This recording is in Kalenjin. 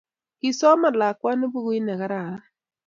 Kisoman lakwana pukuit ne kararan